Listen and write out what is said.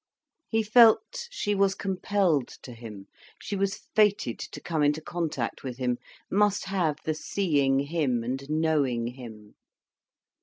He felt, she was compelled to him, she was fated to come into contact with him, must have the seeing him and knowing him.